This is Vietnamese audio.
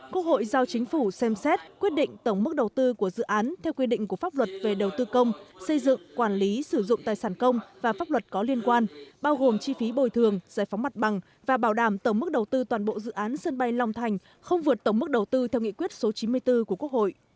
quốc hội giao chính phủ xem xét quyết định tổng mức đầu tư của dự án theo quy định của pháp luật về đầu tư công xây dựng quản lý sử dụng tài sản công và pháp luật có liên quan bao gồm chi phí bồi thường giải phóng mặt bằng và bảo đảm tổng mức đầu tư toàn bộ dự án sân bay long thành không vượt tổng mức đầu tư theo nghị quyết số chín mươi bốn của quốc hội